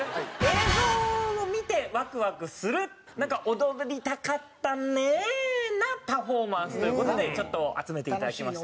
映像を見てワクワクする踊りたかったねぇなパフォーマンスという事でちょっと集めていただきました。